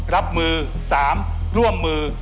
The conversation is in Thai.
รับมือ๓ร่วมมือ